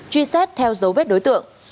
truy xét theo dấu vết đối tượng